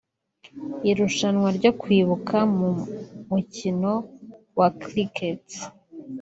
Irushanwa ryo kwibuka mu mukino wa Cricket